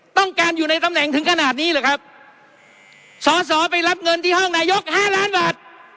ต้องการอยู่ในตำแหน่งถึงขนาดนี้หรือครับสอสอไปรับเงินที่ห้องนายกห้าล้านบาท